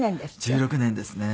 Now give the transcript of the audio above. １６年ですね。